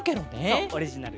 そうオリジナル。